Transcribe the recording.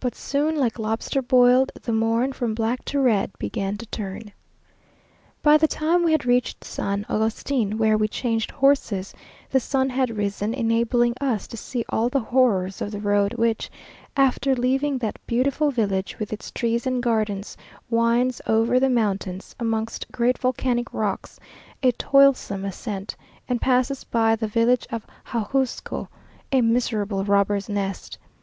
"But soon, like lobster boiled, the morn, From black to red began to turn." By the time we had reached San Agustin, where we changed horses, the sun had risen, enabling us to see all the horrors of the road, which, after leaving that beautiful village with its trees and gardens, winds over the mountain, amongst great volcanic rocks, a toilsome ascent; and passes by the village of Ajusco, a miserable robber's nest.